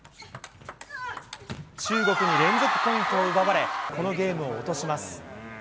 中国に連続ポイントを奪われ、このゲームを落とします。